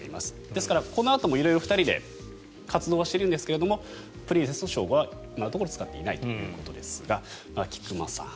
ですから、このあとも色々２人で活動しているんですがプリンセスの称号は今のところ使っていないということですが菊間さん。